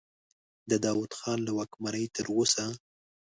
د داود خان له واکمنۍ تر اوسه.